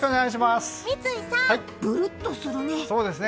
三井さん、ぶるっとするね！